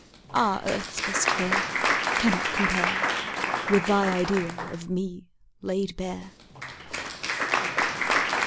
Ah, earth's best fare Cannot compare With thy ideal of me laid bare!